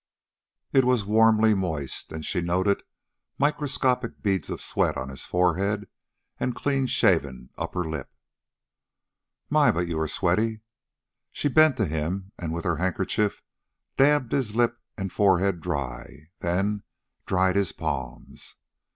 It was warmly moist, and she noted microscopic beads of sweat on his forehead and clean shaven upper lip. "My, but you are sweaty." She bent to him and with her handkerchief dabbed his lip and forehead dry, then dried his palms.